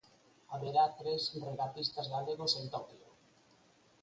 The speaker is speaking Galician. Haberá tres regatistas galegos en Toquio.